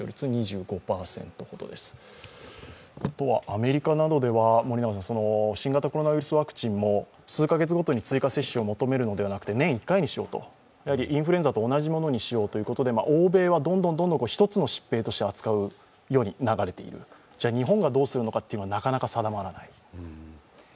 アメリカなどでは新型コロナウイルスワクチンも数カ月ごとに追加接種を求めるのではなくて年１回にしようと、インフルエンザと同じものにしようということで欧米はどんどん一つの疾病として扱うように流れている日本がどうするのかというのはなかなか定まらない。